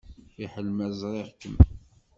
Fiḥel ma ẓriɣ-kem.